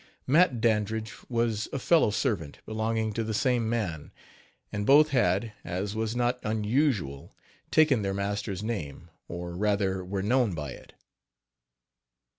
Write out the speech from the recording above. Matt Dandridge was a fellow servant, belonging to the same man, and both had, as was not unusual, taken their master's name, or, rather, were known by it.